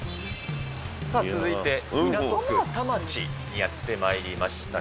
続いて、港区田町にやってまいりました。